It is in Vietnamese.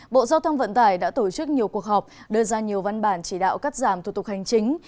bộ giao thông vận tải đã tổ chức nhiều cuộc họp đưa ra nhiều văn bản chỉ đạo cắt giảm thủ tục hành chính